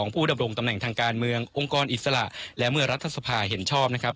ผู้ดำรงตำแหน่งทางการเมืององค์กรอิสระและเมื่อรัฐสภาเห็นชอบนะครับ